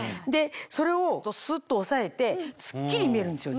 それをスッとおさえてスッキリ見えるんですよ